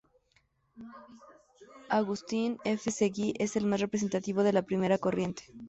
Agustín F. Seguí es el más representativo de la primera corriente.